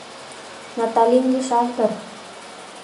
Наталин лийшаш дыр.